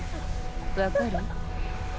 分かる？